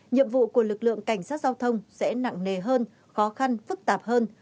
nhiệm vụ của lực lượng cảnh sát giao thông sẽ nặng nề hơn khó khăn phức tạp hơn